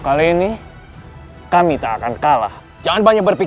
laga ini sangat kuat sekali